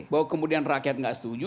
bahwa kemudian rakyat nggak setuju